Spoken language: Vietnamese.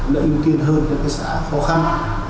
đã ưu tiên hơn cho các xã khó khăn